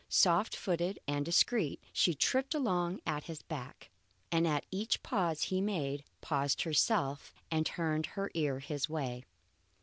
Soft footed and discreet, she tripped along at his back, and at each pause he made, paused herself and turned her ear his way.